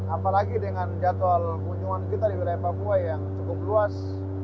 apalagi dengan jadwal kunjungan kita di wilayah papua yang cukup luas